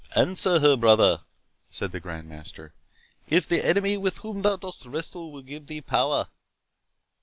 "Answer her, brother," said the Grand Master, "if the Enemy with whom thou dost wrestle will give thee power."